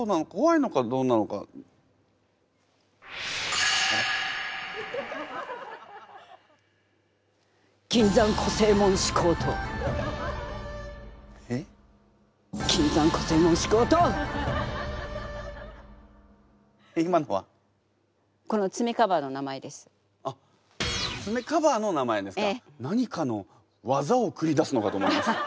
何かのわざをくり出すのかと思いました。